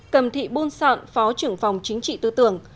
cầm thị buôn sọn phó trưởng phòng chính trị tư tưởng